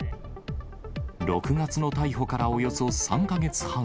６月の逮捕からおよそ３か月半。